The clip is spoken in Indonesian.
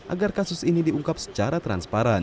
agar kasus ini diungkap secara transparan